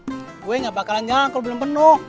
gue gak bakalan jalan kalau belum penuh